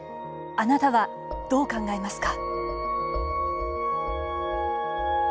あなたは、どう考えますか？